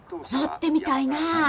乗ってみたいなあ。